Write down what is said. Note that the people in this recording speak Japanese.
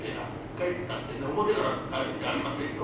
帰ったってね表から帰るんじゃありませんよ。